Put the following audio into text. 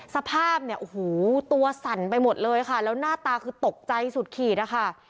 สภาพเนี่ยโอ้โหตัวสั่นไปหมดเลยค่ะแล้วหน้าตาคือตกใจสุดขีดนะคะ